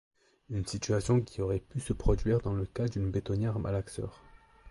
Une situation qui aurait pu se produire dans le cas d'une bétonnière malaxeur.